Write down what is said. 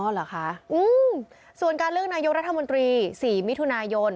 เหรอคะส่วนการเลือกนายกรัฐมนตรี๔มิถุนายน